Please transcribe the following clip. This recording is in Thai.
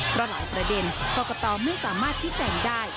เพราะหลายประเด็นกรกตไม่สามารถชี้แจงได้